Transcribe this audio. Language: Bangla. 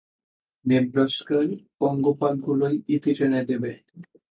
নেব্রাস্কার পঙ্গপালগুলোই ইতি টেনে দেবে।